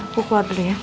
aku keluar dulu ya